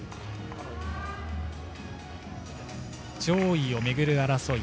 上位を巡る争い。